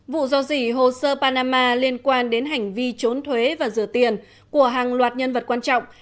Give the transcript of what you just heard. vụ do dỉ hồ sơ panama liên quan đến hành vi trốn thuế và rửa tiền của hàng loạt nhân vật quan trọng